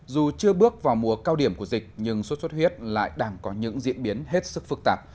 dù chưa bước vào mùa cao điểm của dịch nhưng sốt xuất huyết lại đang có những diễn biến hết sức phức tạp